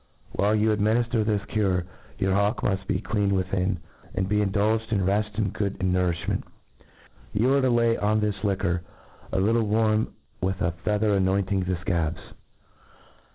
While yoif adminifter this cure, your hawk muft be clean within, and be indulged in reft and good, nourifhment. You are to lay on this liquor a little warm, with a feather anointing the fcabs.